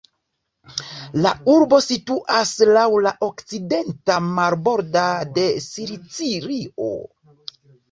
La urbo situas laŭ la okcidenta marbordo de Sicilio.